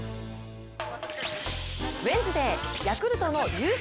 ウエンズデーヤクルトの優勝